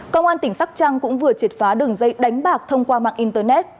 công an tỉnh sóc trăng cũng vừa triệt phá đường dây đánh bạc thông qua mạng internet